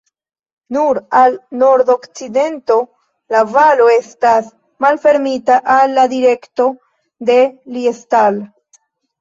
Nur al nordokcidento la valo estas malfermita al la direkto de Liestal.